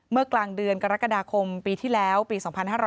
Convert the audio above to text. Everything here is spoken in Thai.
เมื่อกลางเดือนกรกฎาคมปีที่แล้วปี๒๕๕๙